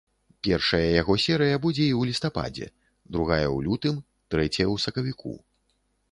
Першая яго серыя будзе і ў лістападзе, другая ў лютым, трэцяя ў сакавіку.